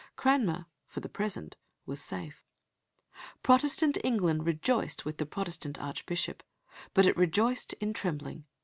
Cranmer, for the present, was safe. Protestant England rejoiced with the Protestant Archbishop. But it rejoiced in trembling.